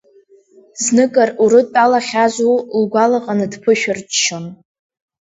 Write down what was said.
Зныкыр урыдтәалахьазу, лгәалаҟаны дԥышәырччон.